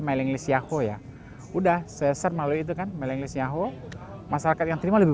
mailing list yahoo ya udah saya sermalu itu kan melenggis yahoo masyarakat yang terima lebih